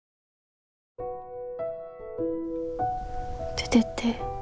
出てって。